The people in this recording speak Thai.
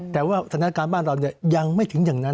แต่ว่าสถานการณ์บ้านเรายังไม่ถึงอย่างนั้น